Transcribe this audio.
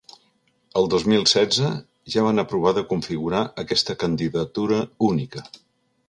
El dos mil setze, ja van provar de configurar aquesta candidatura única.